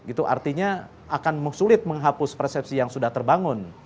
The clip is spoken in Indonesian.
itu artinya akan sulit menghapus persepsi yang sudah terbangun